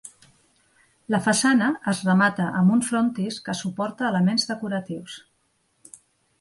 La façana es remata amb un frontis que suporta elements decoratius.